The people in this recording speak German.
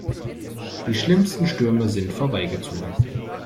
Die schlimmsten Stürme sind vorbeigezogen.